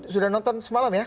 sudah nonton semalam ya